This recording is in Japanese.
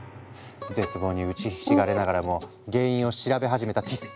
絶望に打ちひしがれながらも原因を調べ始めたティス。